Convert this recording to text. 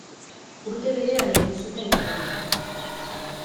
Urte berean egin zuten kardinal.